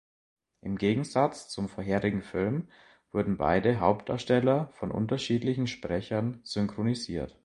Im Gegensatz zum vorherigen Film wurden beide Hauptdarsteller von unterschiedlichen Sprechern synchronisiert.